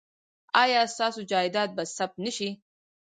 ایا ستاسو جایداد به ثبت نه شي؟